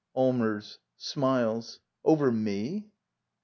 Allmers. [Smiles.] Over me?